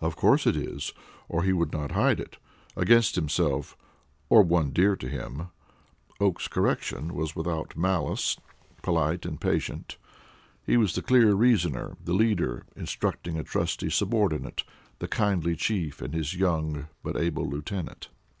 "Of course it is, or he would not hide it; against himself, or one dear to him." Oakes's correction was without malice, polite and patient. He was the clear reasoner, the leader, instructing a trusty subordinate the kindly Chief and his young, but able lieutenant.